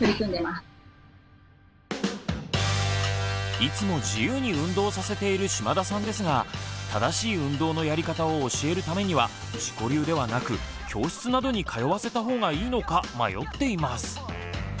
いつも自由に運動させている嶋田さんですが正しい運動のやり方を教えるためには自己流ではなく教室などに通わせた方がいいのか迷っています。